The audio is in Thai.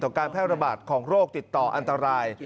การแพร่ระบาดของโรคติดต่ออันตราย